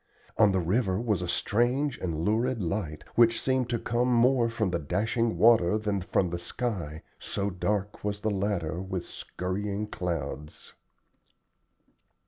On the river was a strange and lurid light, which seemed to come more from the dashing water than from the sky, so dark was the latter with skurrying clouds.